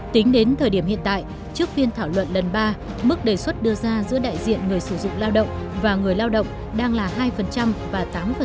tính đến thời điểm hiện tại trước phiên thảo luận lần ba mức đề xuất đưa ra giữa đại diện người sử dụng lao động và người lao động đang là hai và tám